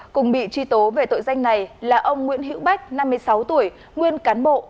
cùng bị truy tố về tội danh này là ông nguyễn hữu bách năm mươi sáu tuổi nguyên cán bộ